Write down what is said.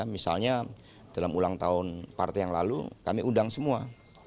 misalnya dalam ulang tahun partai yang lalu kami undang semua